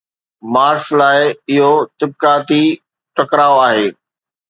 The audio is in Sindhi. مارڪس لاءِ اهو طبقاتي ٽڪراءُ آهي.